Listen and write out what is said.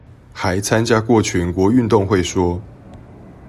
還參加過全國運動會說